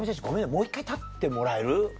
もう１回立ってもらえる？